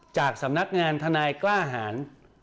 จากสำนักงานทนายกล้าหาร